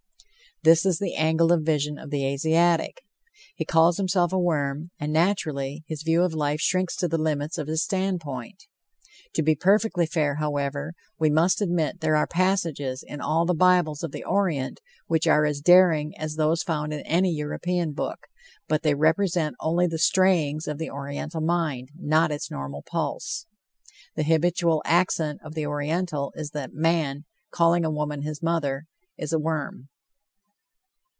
This is the angle of vision of the Asiatic. He calls himself a worm, and naturally his view of life shrinks to the limits of his standpoint. To he perfectly fair, however, we must admit there are passages in all the bibles of the Orient which are as daring as those found in any European book, but they represent only the strayings of the Oriental mind, not its normal pulse. The habitual accent of the Oriental is that man, calling a woman his mother, is a worm.